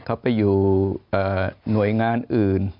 เขาไปอยู่หน่วยงานอื่น